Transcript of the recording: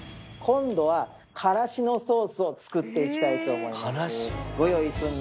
今度はからしのソースを作っていきたいと思います。